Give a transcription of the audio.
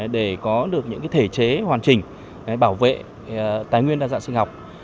để có được những thể chế hoàn chỉnh bảo vệ tài nguyên đa dạng sinh học